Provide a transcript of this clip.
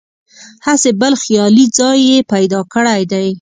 هسې بل خیالي ځای یې پیدا کړی دی.